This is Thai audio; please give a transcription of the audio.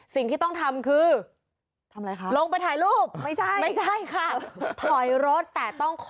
สิ่งที่ต้องทำคือ